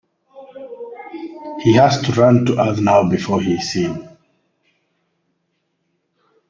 He has to run to earth now before he is seen.